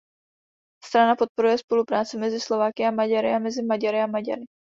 Strana podporuje spolupráci mezi Slováky a Maďary a mezi Maďary a Maďary.